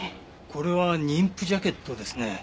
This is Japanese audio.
これは妊婦ジャケットですね。